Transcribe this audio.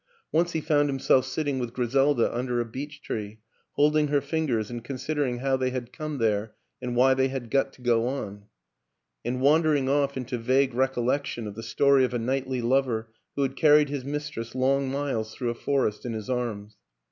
Once he found himself sitting with Griselda un der a beechtree, holding her fingers and consider ing how they had come there and why they had got to go on; and wandering off into vague recol lection of the story of a knightly lover who had carried his mistress long miles through a forest in his arms.